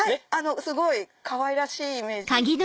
すごいかわいらしいイメージ。